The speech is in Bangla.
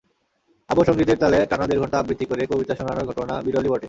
আবহ সংগীতের তালে টানা দেড়ঘন্টা আবৃত্তি করে কবিতা শোনানোর ঘটনা বিরলই বটে।